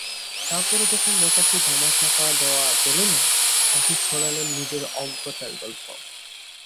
তারপরও যখন ব্যাপারটি ধামাচাপা দেওয়া গেল না, আসিফ শোনালেন নিজের অজ্ঞতার গল্প।